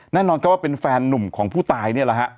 แน่นอนก็ว่าเป็นแฟนนุ่มของผู้ตาย